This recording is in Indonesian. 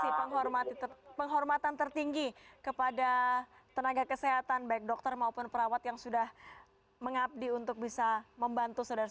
terima kasih penghormatan tertinggi kepada tenaga kesehatan baik dokter maupun perawat yang sudah mengabdi untuk bisa membantu saudara saudara